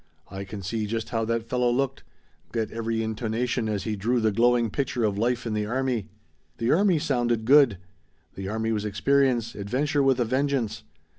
I can see just how that fellow looked. Get every intonation as he drew the glowing picture of life in the army. "The army sounded good. The army was experience, adventure, with a vengeance.